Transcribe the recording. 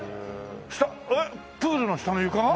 えっプールの下の床が？